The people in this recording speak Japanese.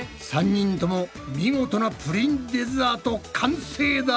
３人とも見事なプリンデザート完成だ！